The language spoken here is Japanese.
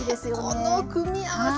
この組み合わせ。